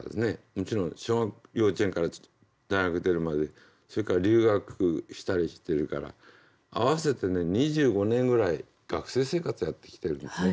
もちろん幼稚園から大学出るまでそれから留学したりしてるから合わせてね２５年ぐらい学生生活やってきてるんですね。